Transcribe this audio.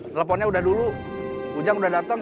teleponnya udah dulu ujang udah datang